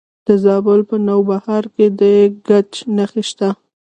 د زابل په نوبهار کې د ګچ نښې شته.